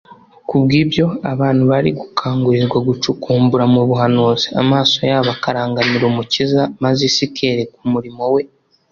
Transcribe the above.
kubw’ibyo, abantu bari gukangukira gucukumbura mu buhanuzi, amaso yabo akarangamira umukiza, maze isi ikerekwa umurimo we